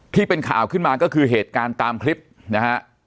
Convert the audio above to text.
ที่เป็นข่าวขึ้นมาก็คือเหตุการณ์ตามคลิปนะฮะ